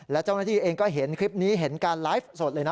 และเจ้าหน้าที่เองก็เห็นคลิปนี้เห็นการไลฟ์สดเลยนะ